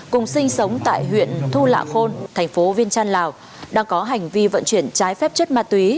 cùng sinh sống tại huyện thu lạ khôn thành phố viên trăn lào đang có hành vi vận chuyển trái phép chất ma túy